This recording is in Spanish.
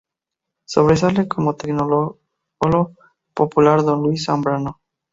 Sobresale como Tecnólogo Popular Don Luis Zambrano.